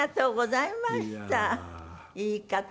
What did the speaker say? いい方。